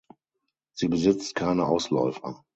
Sie besitzt keine Ausläufer.